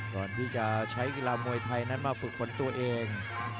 ก่อนที่จะใช้กีฬามวยไทยนั้นมาฝึกฝนตัวเอง